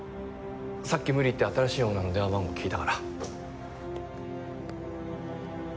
さっき無理言って新しいオーナーの電話番号聞いたから。